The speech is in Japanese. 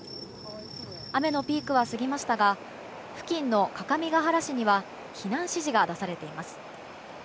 雨のピークは過ぎましたが付近の各務原市には避難指示が出されています。